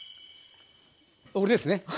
俺ですね。